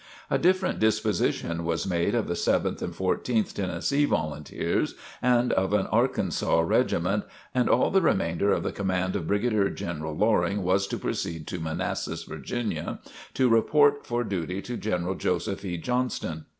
A different disposition was made of the Seventh and Fourteenth Tennessee Volunteers and of an Arkansas Regiment, and all the remainder of the command of Brigadier General Loring was to proceed to Manassas, Virginia, to report for duty to General Joseph E. Johnston.